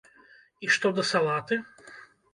І што да салаты?